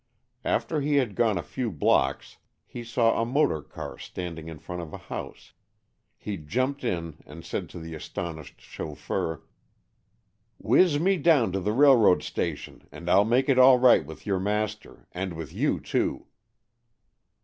After he had gone a few blocks he saw a motor car standing in front of a house. He jumped in and said to the astonished chauffeur, "Whiz me down to the railroad station, and I'll make it all right with your master, and with you, too."